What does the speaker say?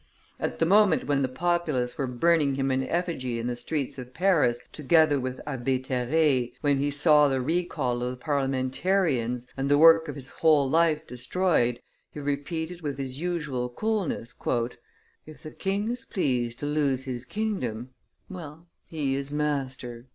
At the moment when the populace were burning him in effigy in the streets of Paris together with Abbe Terray, when he saw the recall of the parliamentarians, and the work of his whole life destroyed, he repeated with his usual coolness: "If the king is pleased to lose his kingdom well, he is master."